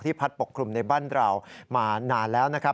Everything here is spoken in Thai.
พัดปกคลุมในบ้านเรามานานแล้วนะครับ